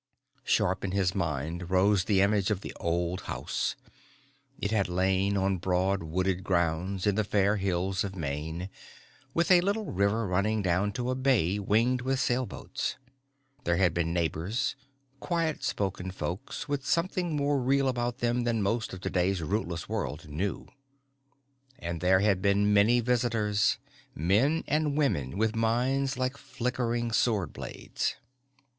_ Sharp in his mind rose the image of the old house. It had lain on broad wooded grounds in the fair hills of Maine, with a little river running down to a bay winged with sailboats. There had been neighbors quiet spoken folk with something more real about them than most of today's rootless world knew. And there had been many visitors men and women with minds like flickering sword blades.